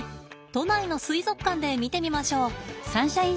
都内の水族館で見てみましょう。